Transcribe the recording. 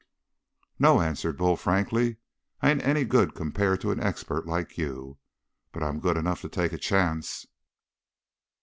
"No," answered Bull frankly. "I ain't any good compared to an expert like you. But I'm good enough to take a chance."